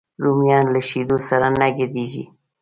رومیان له شیدو سره نه ګډېږي